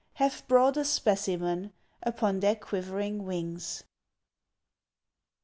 Have brought a specimen Upon their quivering wings.